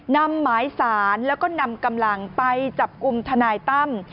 นำหมายสารแล้วก็นำกำลังไปจับกลุ่มทนายตั้ม